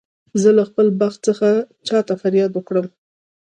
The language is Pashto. زه له خپل بخت څخه چا ته فریاد وکړم.